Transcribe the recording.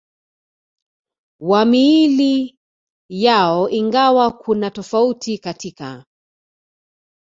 wa miili yao ingawa kuna tofauti katika